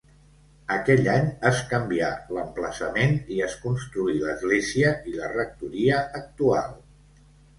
Aquell any es canvià l'emplaçament i es construí l'església i la rectoria actual.